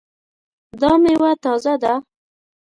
دا میوه تازه ده؟